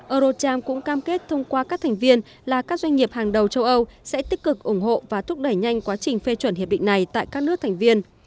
eurocharm cũng cam kết thông qua các thành viên là các doanh nghiệp hàng đầu châu âu sẽ tích cực ủng hộ và thúc đẩy nhanh quá trình phê chuẩn hiệp định này tại các nước thành viên